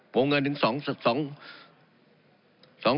โครงเงินถึง๒๒